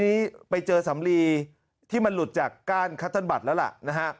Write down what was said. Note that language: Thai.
วันนี้ไปเจอสำลีที่มันหลุดจากก้านคัตเติ้ลบัตรแล้วล่ะนะฮะ